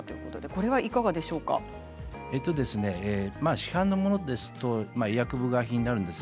市販のものですと医薬部外品になります。